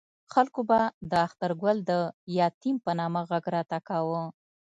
خلکو به د اخترګل د یتیم په نامه غږ راته کاوه.